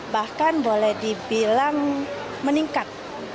bahkan boleh dibilang meningkat